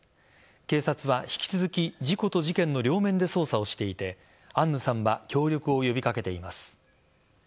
警察は引き続き事故と事件の両面で捜査をしていてアンヌさんは協力を呼び掛けています。